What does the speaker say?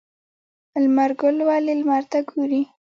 لمر ګل ولې لمر ته ګوري؟